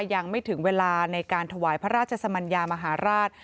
ยังไม่ถึงเวลาในการถวายพระราชสมัญญามหาราช